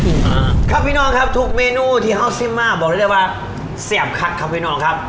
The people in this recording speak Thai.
อ่าครับพี่น้องครับทุกเมนูที่ฮอลซิ่มมากบอกได้เลยว่าเสียบคัดครับพี่น้องครับ